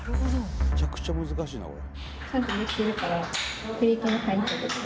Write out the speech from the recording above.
めちゃくちゃ難しいなこれ。